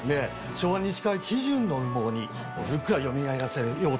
昭和西川基準の羽毛にふっくらよみがえらせようと。